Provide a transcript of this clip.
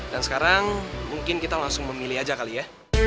dan sekarang mungkin kita langsung memilih aja kali ya